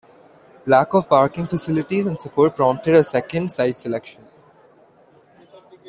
Lack of parking facilities and support prompted a second site selection.